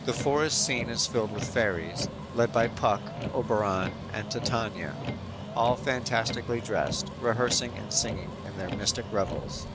"_ The forest scene is filled with fairies, led by Puck, Oberon and Titania, all fantastically dressed, rehearsing and singing in their mystic revels.